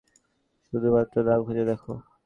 ওষুধটার নাম খুঁজে দেখ।